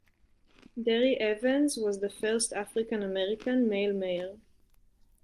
Darry Evans was the first African American male mayor.